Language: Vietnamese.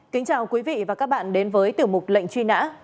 kính chào quý vị và các bạn đến với tiểu mục lệnh truy nã